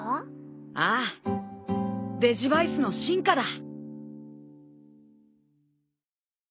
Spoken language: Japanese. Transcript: ああデジヴァイスの進化だ。